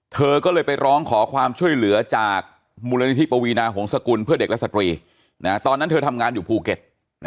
เธอก็เลยไปร้องขอความช่วยเหลือจากมูลนิธิปวีนาหงษกุลเพื่อเด็กและสตรีตอนนั้นเธอทำงานอยู่ภูเก็ต